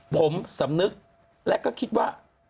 ผมสำนึกและก็คิดว่า